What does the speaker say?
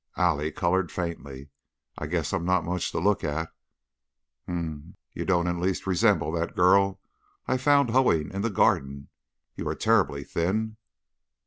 Allie colored faintly. "I guess I'm not much to look at." "Hm m! You don't in the least resemble that girl I found hoeing in the garden. You are terribly thin."